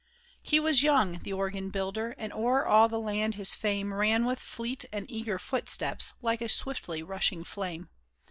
He was young, the Organ Builder, and o'er all the land his fame Ran with fleet and eager footsteps, like a swiftly rushing flame.